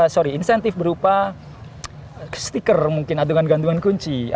sorry insentif berupa stiker mungkin adungan gantungan kunci